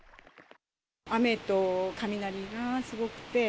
雨と雷がすごくて、